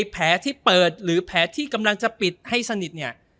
แผลที่เปิดหรือแผลที่กำลังจะปิดให้สนิทเนี่ย